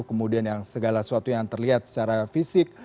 kemudian yang segala sesuatu yang terlihat secara fisik